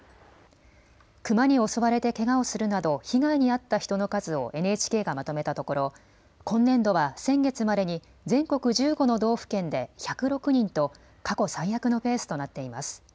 クマに襲われてけがをするなど被害に遭った人の数をＮＨＫがまとめたところ今年度は先月までに全国１５の道府県で１０６人と過去最悪のペースとなっています。